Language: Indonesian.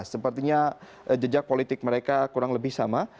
sepertinya jejak politik mereka kurang lebih sama